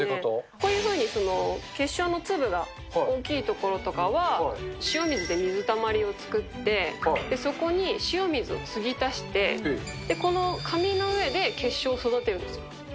こういうふうに結晶の粒が大きい所とかは、塩水で水たまりを作って、そこに塩水を注ぎ足して、この紙の上で結晶を育てるんですよ。